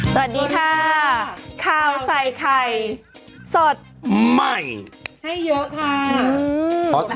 สวัสดีค่ะข้าวใส่ไข่สดใหม่ให้เยอะค่ะ